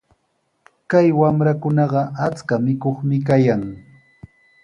Kay wamrakunaqa achka mikuqmi kayan.